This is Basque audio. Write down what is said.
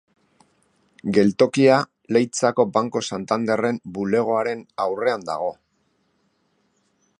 Geltokia Leitzako Banco Santanderren bulegoaren aurrean dago.